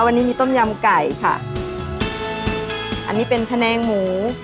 วันนี้มีต้มยำไก่ค่ะอันนี้เป็นแผนงหมู